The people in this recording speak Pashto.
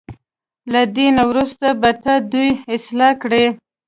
له دې نه وروسته به ته د دوی اصلاح کړې.